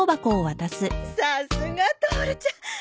さすがトオルちゃん。